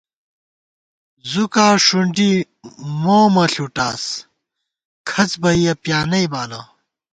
زُوکا ݭُونڈِی مومہ ݪُٹاس، کھڅ بئیَہ پیانئ بالہ